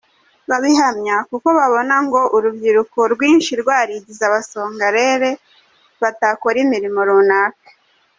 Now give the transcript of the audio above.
Babihamya kuko babona ngo Urubyiruko rwinshi rwarigize “abasongarere” batakora imirimo runaka.